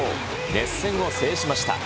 熱戦を制しました。